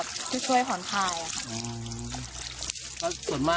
ส่วนที่ใกล้มาวันนี้ค่ะ